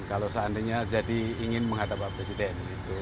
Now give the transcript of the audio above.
kalau seandainya jadi ingin menghadap pak presiden